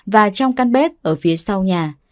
và trong căn bếp ở phía sau nhà